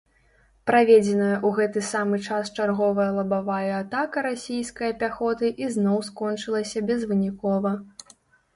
Праведзеная ў гэты самы час чарговая лабавая атака расійскае пяхоты ізноў скончылася безвынікова.